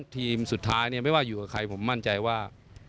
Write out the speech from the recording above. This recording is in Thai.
ทีมสุดท้ายไม่ว่าอยู่กับใครผมมั่นใจว่า